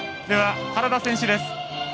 では、原田選手です。